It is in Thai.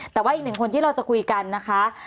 แต่ว่าอีกหนึ่งคนที่เราจะคุยกันนะคะ